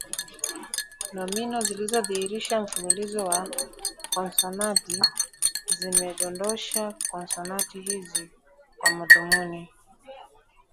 Nomino zilizodhihirisha mfululizo wa konsonanti zimedondosha konsonanti hizi kwa madhumuni